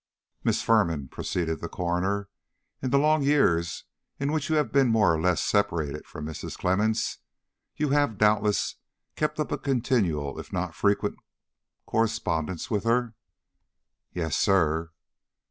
"Miss Firman," proceeded the coroner, "in the long years in which you have been more or less separated from Mrs. Clemmens, you have, doubtless, kept up a continued if not frequent correspondence with her?" "Yes, sir."